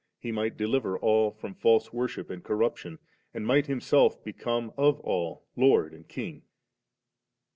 He might deliver all from &lse worship and corruption, and might Himself become of all Lord and King.